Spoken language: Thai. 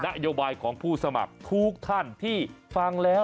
นโยบายของผู้สมัครทุกท่านที่ฟังแล้ว